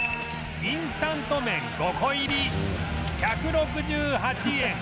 インスタント麺５個入り１６８円